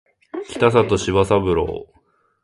北里柴三郎